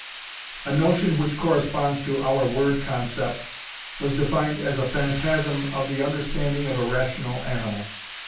A notion which corresponds to our word concept was defined as a phantasm of the understanding of a rational animal.